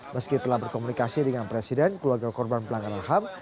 meski telah berkomunikasi dengan presiden keluarga korban pelanggaran ham